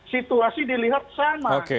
situasi dilihat sama oke